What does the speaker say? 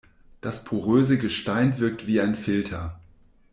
Das poröse Gestein wirkt wie ein Filter.